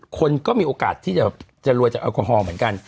คนก็มีโอกาสที่จะรวยจากแอลกอฮอล์เหมือนกัน